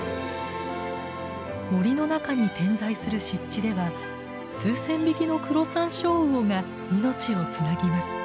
森の中に点在する湿地では数千匹のクロサンショウウオが命をつなぎます。